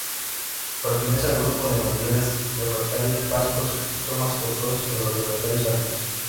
Pertenece al grupo de materiales refractarios básicos, son más costosos que los refractarios ácidos.